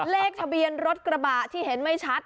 เลขทะเบียนรถกระบะที่เห็นไม่ชัด